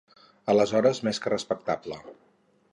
Aleshores, més que respectable.